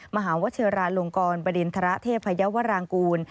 มหาวเชราลงกรประเด็นธรเทพยาวรางกูล